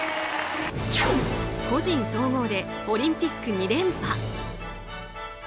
個人総合でオリンピック２連覇。